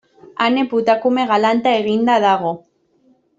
Ane putakume galanta eginda dago.